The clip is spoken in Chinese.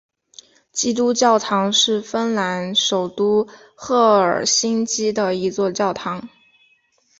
基督教堂是芬兰首都赫尔辛基的一座教堂。